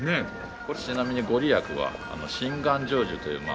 これちなみにご利益は心願成就という願いを。